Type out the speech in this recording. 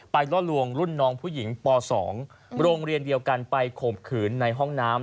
ล่อลวงรุ่นน้องผู้หญิงป๒โรงเรียนเดียวกันไปข่มขืนในห้องน้ำ